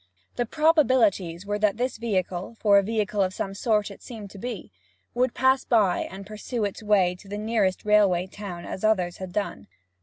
The probabilities were that this vehicle for a vehicle of some sort it seemed to be would pass by and pursue its way to the nearest railway town as others had done.